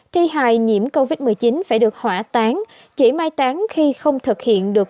thi hài nhiễm covid một mươi chín phải được hỏa tán chỉ mai tán khi không thực hiện được